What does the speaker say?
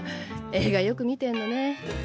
映画よく見てんのね。